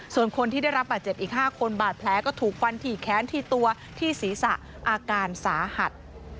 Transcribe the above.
ส่วนคนที่ได้รับบาดเจ็บอีก๕คนบาดแผลก็ถูกฟันที่แค้นที่ตัวที่ศีรษะอาการสาหัส